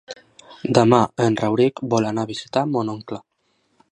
Demà en Rauric vol anar a visitar mon oncle.